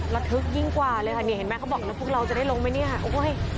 ระทึกยิ่งกว่าเลยค่ะนี่เห็นไหมเขาบอกแล้วพวกเราจะได้ลงไหมเนี่ยโอ้ย